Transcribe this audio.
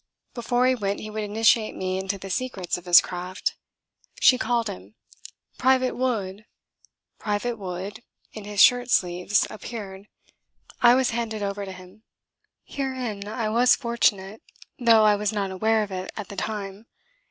Before he went he would initiate me into the secrets of his craft. She called him. "Private Wood!" Private Wood, in his shirt sleeves, appeared. I was handed over to him. Herein I was fortunate, though I was unaware of it at the time.